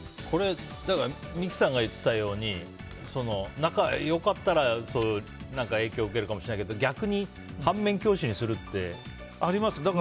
これ三木さんが言ってたように仲良かったら影響を受けるかもしれないけど逆に、反面教師にするって。あります。